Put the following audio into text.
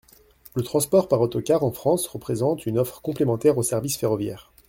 Le transport par autocar en France représente une offre complémentaire aux services ferroviaires.